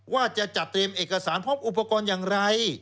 ว่าจะจัดเตรียมเอกสารพร้อมอุปกรณ์อย่างไร